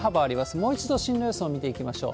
もう一度進路予想見ていきましょう。